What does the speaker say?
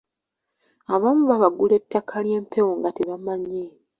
Abamu babagula ettaka ly’empewo nga tebamanyi.